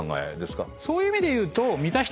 そういう意味でいうと。